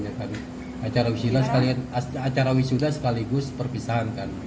acara wisuda sekaligus perpisahan kan